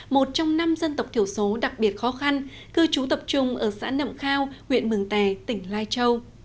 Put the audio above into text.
một trong năm dân tộc thiểu số đặc biệt khó khăn cư trú tập trung ở xã nậm khao huyện mường tè tỉnh lai châu